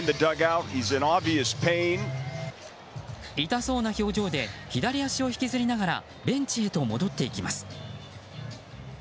痛そうな表情で左足を引きずりながらベンチへと戻っていきます。